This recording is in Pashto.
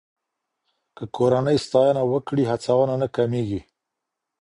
که کورنۍ ستاینه وکړي، هڅونه نه کمېږي.